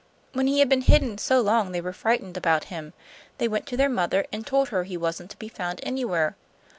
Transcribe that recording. When he had been hidden so long they were frightened about him, they went to their mother and told her he wasn't to be found anywhere.